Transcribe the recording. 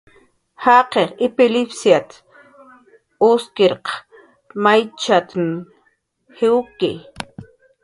"Jaqiq ipilipsiat"" uskiriq maychat""mn jiwki "